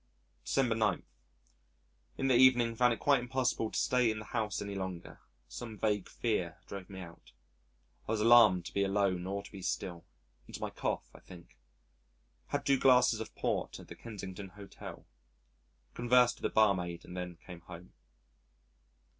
December 9. In the evening found it quite impossible to stay in the house any longer: some vague fear drove me out. I was alarmed to be alone or to be still. It is my cough, I think. Had two glasses of port at the Kensington Hotel, conversed with the barmaid, and then came home.